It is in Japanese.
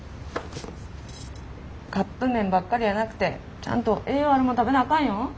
カップ麺ばっかりやなくてちゃんと栄養あるもん食べなあかんよ。